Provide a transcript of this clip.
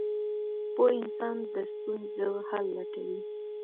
• پوه انسان د ستونزو حل لټوي.